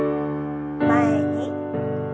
前に。